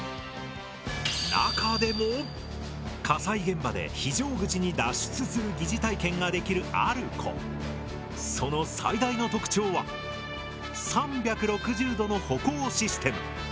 中でも火災現場で非常口に脱出する疑似体験ができるその最大の特徴は３６０度の歩行システム。